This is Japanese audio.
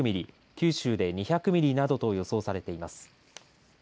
九州で２００ミリなどと予想されています。